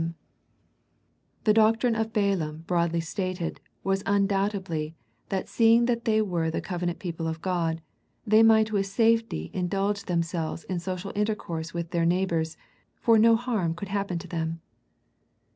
The Pergamum Letter The doctrine of Balaam broadly stated was undoubtedly that seeing that they were the covenant people of God, they might with safety indulge themselves in social intercourse with their neighbours, for no harm could happen to them.